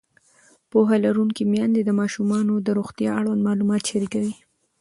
پوهه لرونکې میندې د ماشومانو د روغتیا اړوند معلومات شریکوي.